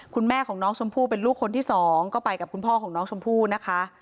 คุณแม่ของน้องชมพู่เป็นลูกคนที่สองก็ไปกับคุณพ่อของน้องชมพู่นะคะ